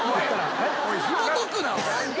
ひもとくなお前。